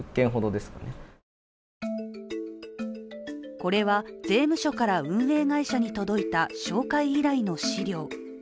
これは税務署から運営会社に届いた照会依頼の資料。